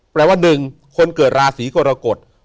แปลว่าหนึ่งคนเกิดราศรีกรกฎ